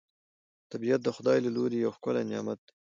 طبیعت د خدای له لوري یو ښکلی نعمت دی